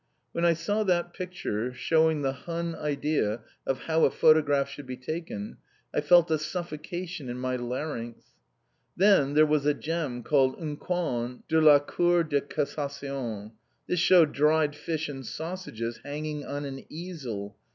When I saw that picture, showing the Hun idea of how a photograph should be taken, I felt a suffocation in my larynx. Then there was a gem called Un Coin de la Cour de Cassation. This shewed dried fish and sausages hanging on an easel!